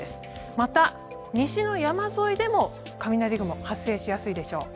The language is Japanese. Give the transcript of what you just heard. また、西の山沿いでも雷雲、発生しやすいでしょう。